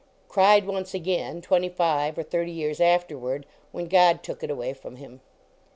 Cried once again, twenty five or thirty years afterward, when God took it away from him.